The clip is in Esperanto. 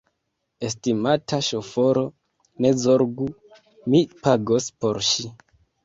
Estimata ŝoforo, ne zorgu, mi pagos por ŝi